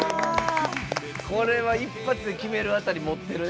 これは一発で決めるあたりもってるね。